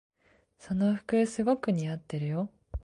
その服すごく似合ってるよ。